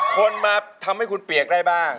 คนมาทำให้คุณเปียกได้บ้าง